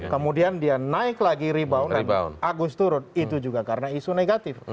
kemudian dia naik lagi rebound dan agus turun itu juga karena isu negatif